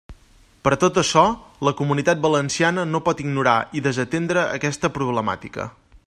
Per tot açò, la Comunitat Valenciana no pot ignorar i desatendre aquesta problemàtica.